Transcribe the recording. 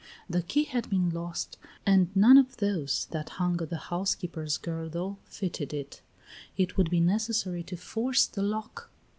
The key had been lost, and none of those that hung at the housekeeper's girdle fitted it. It would be necessary to force the lock.